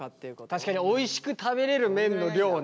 確かにおいしく食べれる麺の量ね。